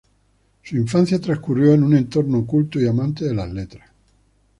Su infancia transcurrió en un entorno culto y amante de las letras.